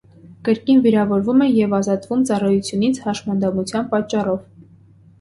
Կրկին վիրավորվում է և ազատվում ծառայությունից հաշմանդամության պատճառով։